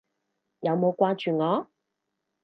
有冇掛住我？